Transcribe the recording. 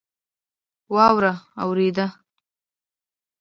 واوره اوورېده